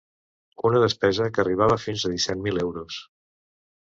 Una despesa que arribava fins a disset mil euros.